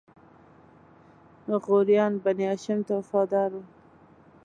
غوریان بنی هاشم ته وفادار وو.